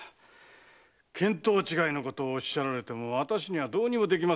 見当違いのことをおっしゃられても私にはどうにもできませんな。